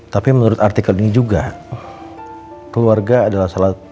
tapi menurut artikel ini juga keluarga adalah salah satu